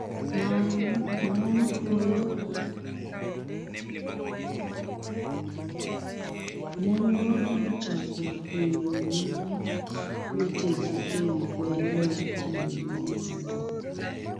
Mon go nochako puonjo mine wetegi e wi ber mar tiyo ne Nyasaye